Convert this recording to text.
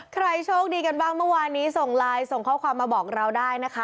ใครโชคดีกันบ้างเมื่อวานนี้ส่งไลน์ส่งข้อความมาบอกเราได้นะคะ